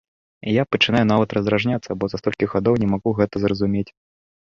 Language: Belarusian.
Я пачынаю нават раздражняцца, бо за столькі гадоў не магу гэта зразумець.